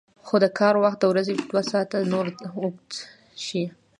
خو د کار وخت د ورځې دوه ساعته نور اوږد شي